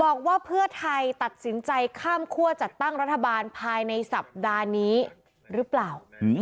บอกว่าเพื่อไทยตัดสินใจข้ามคั่วจัดตั้งรัฐบาลภายในสัปดาห์นี้หรือเปล่า